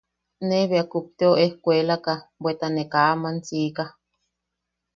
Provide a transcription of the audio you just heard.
Ne bea kupteo ejkukuelaaka bweta ne kaa aman siika.